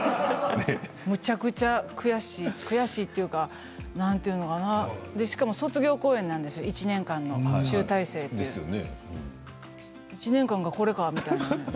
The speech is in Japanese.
むちゃくちゃ悔しい悔しいというか、何て言うのかなしかも卒業公演なんです１年の集大成、１年間、これかみたいな。